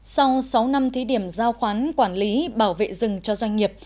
sau sáu năm thí điểm giao khoán quản lý bảo vệ rừng cho doanh nghiệp